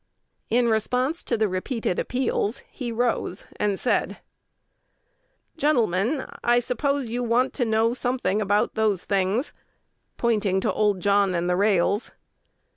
In response to the repeated appeals he rose and said, "Gentlemen, I suppose you want to know something about those things" (pointing to old John and the rails).